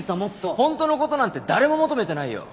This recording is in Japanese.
本当のことなんて誰も求めてないよ。